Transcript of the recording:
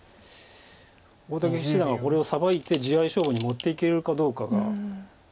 大竹七段がこれをサバいて地合い勝負に持っていけるかどうかが。